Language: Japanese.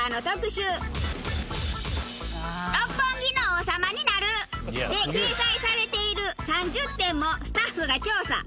「六本木の王様になる」で掲載されている３０店もスタッフが調査。